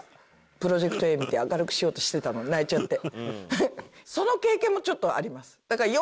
『プロジェクトＡ』見て明るくしようとしてたのに泣いちゃって。